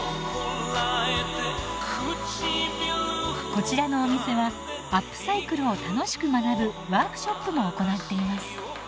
こちらのお店はアップサイクルを楽しく学ぶワークショップも行っています。